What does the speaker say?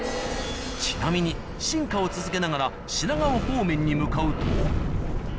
ちなみに進化を続けながら品川方面に向かうと。